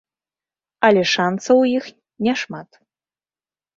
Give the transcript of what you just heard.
Але шанцаў у іх няшмат.